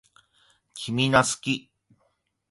君が好き